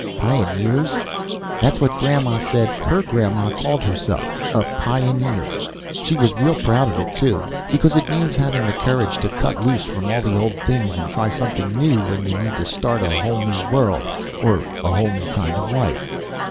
"Pioneers?" "That's what Grandma said her Grandma called herself. A pioneer. She was real proud of it, too. Because it means having the courage to cut loose from all the old things and try something new when you need to. Start a whole new world, a whole new kind of life."